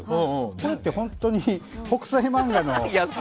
これって本当に「北斎漫画」の。